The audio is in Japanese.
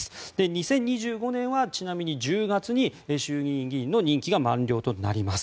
２０２５年はちなみに１０月に衆議院議員の任期が満了となります。